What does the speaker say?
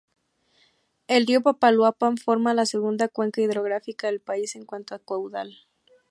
El río Papaloapan forma la segunda cuenca hidrográfica del país, en cuanto a caudal.